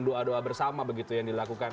doa dua s bersama begitu yang dilakukan